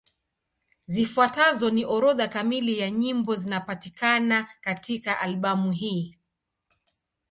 Zifuatazo ni orodha kamili ya nyimbo zinapatikana katika albamu hii.